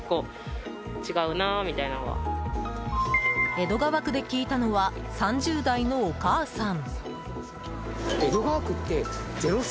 江戸川区で聞いたのは３０代のお母さん。